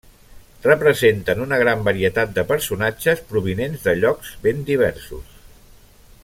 Representen una gran varietat de personatges, provinents de llocs ben diversos.